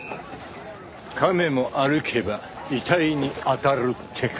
亀も歩けば遺体に当たるってか。